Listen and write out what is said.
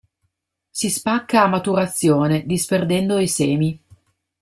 Si spacca a maturazione, disperdendo i semi.